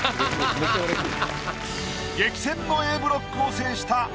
めっちゃ嬉しい。